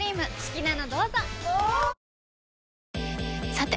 さて！